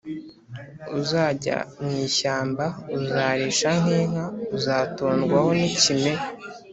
Uzajya mwishyamba uzarisha nk inka uzatondwaho n ikime